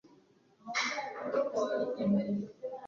Icya nyuma ni inshingano z’umubyeyi